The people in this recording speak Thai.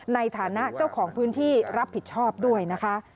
ในฐานะเจ้าของพื้นที่รับผิดชอบด้วยนะคะ